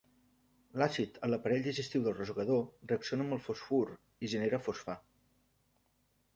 L'àcid a l'aparell digestiu del rosegador reacciona amb el fosfur i genera fosfà.